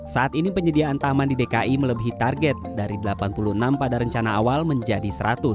saat ini penyediaan taman di dki melebihi target dari delapan puluh enam pada rencana awal menjadi seratus